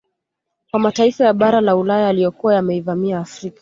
Kwa mataifa ya bara la Ulaya yaliyokuwa yameivamia Afrika